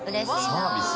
サービス？